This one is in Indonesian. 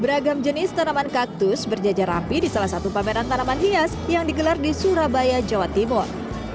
beragam jenis tanaman kaktus berjajar rapi di salah satu pameran tanaman hias yang digelar di surabaya jawa timur